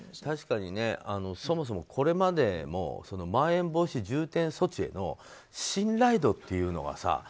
確かに、そもそもこれまでもまん延防止等重点措置への信頼度っていうのがさ